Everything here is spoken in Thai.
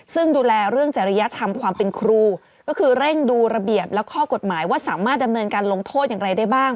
ซึ่งดูแลเรื่องจริยธรรมความเป็นครูก็คือเร่งดูระเบียบและข้อกฎหมายว่าสามารถดำเนินการลงโทษอย่างไรได้บ้าง